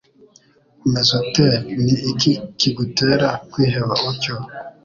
umeze ute ni iki kigutera kwiheba utyo